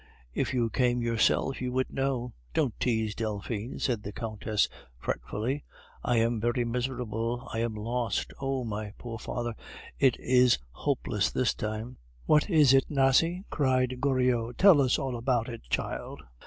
"If you came yourself you would know." "Don't tease, Delphine," said the Countess fretfully. "I am very miserable, I am lost. Oh! my poor father, it is hopeless this time!" "What is it, Nasie?" cried Goriot. "Tell us all about it, child!